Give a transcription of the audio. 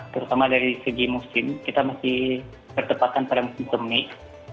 terutama dari segi musim kita masih bertepatan pada musim semi